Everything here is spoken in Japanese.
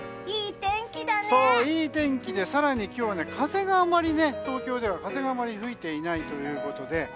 いい天気で更に今日は風があまり東京では吹いていないということで。